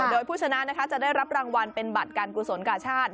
โดยผู้ชนะจะได้รับรางวัลเป็นบัตรการกุศลกาชาติ